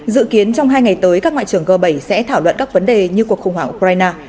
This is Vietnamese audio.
dự kiến trong hai ngày tới các ngoại trưởng g bảy sẽ thảo luận các vấn đề như cuộc khủng hoảng ukraine